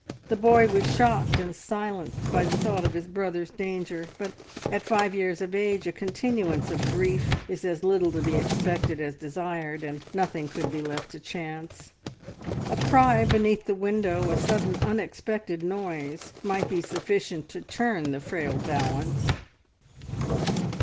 The boy was shocked and silenced by the thought of his brother's danger, but at five years of age a continuance of grief is as little to be expected as desired, and nothing could be left to chance. A cry beneath the window, a sudden, unexpected noise might be sufficient to turn the frail balance.